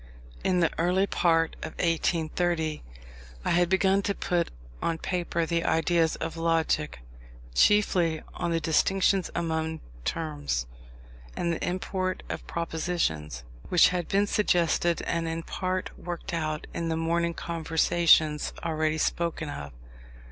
In the early part of 1830 I had begun to put on paper the ideas on Logic (chiefly on the distinctions among Terms, and the import of Propositions) which had been suggested and in part worked out in the morning conversations already spoken of.